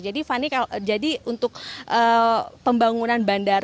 jadi fani jadi untuk pembangunan bandara